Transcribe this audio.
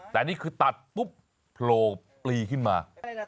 แต่นี่คือตัดปุ๊บโผล่ปลีขึ้นมา